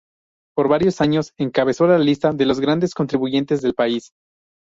Por varios años encabezó la lista de los grandes contribuyentes del país.